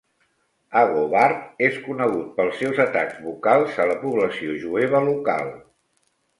Agobard és conegut pels seus atacs vocals a la població jueva local.